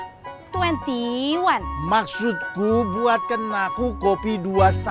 hai empokmu ngeras ras bang patar buatkan dulu aku copy dua puluh satu apa